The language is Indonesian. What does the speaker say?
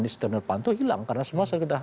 di setiawapanto hilang karena semua sudah